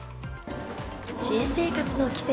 新生活の季節。